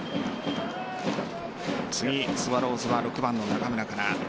次、スワローズは６番の中村から。